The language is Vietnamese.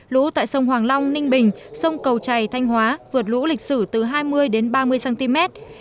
lũ tại sông hoàng long ninh bình sông cầu chảy thanh hóa vượt lũ lịch sử từ hai mươi đến ba mươi cm